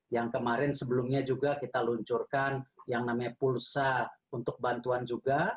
yang kemarin sebelumnya juga kita luncurkan yang namanya pulsa untuk bantuan juga